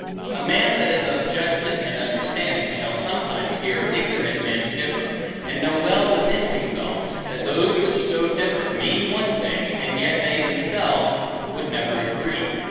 A man that is of judgment and understanding, shall sometimes hear ignorant men differ, and know well within himself, that those which so differ, mean one thing, and yet they themselves would never agree.